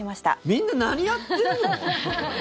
みんな何やってんの？